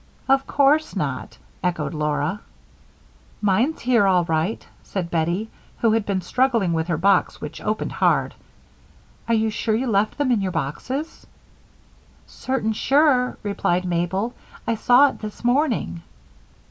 "Of course not," echoed Laura. "Mine's here, all right," said Bettie, who had been struggling with her box, which opened hard. "Are you sure you left them in your boxes?" "Certain sure," replied Mabel. "I saw it this morning."